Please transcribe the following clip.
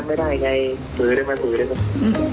ซื้อได้มั้ยซื้อได้มั้ย